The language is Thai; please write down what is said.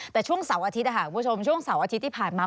แต่ช่วงเสาร์อาทิตย์คุณผู้ชมช่วงเสาร์อาทิตย์ที่ผ่านมา